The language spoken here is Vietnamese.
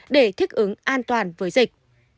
để thích ứng an toàn với dịch